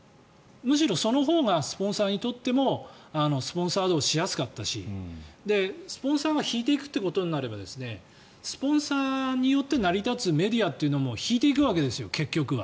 むしろ、そのほうがスポンサーにとってもスポンサードしやすかったしスポンサーが引いていくってことになればスポンサーによって成り立つメディアというのも引いていくわけです。